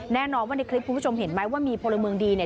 แน่นอนว่าในคลิปคุณผู้ชมเห็นไหมว่ามีพลเมืองดีเนี่ย